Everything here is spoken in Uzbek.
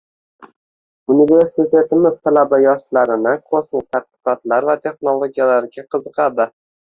Universitetimiz talaba-yoshlarini kosmik tadqiqotlar va texnologiyalarga qiziqadi.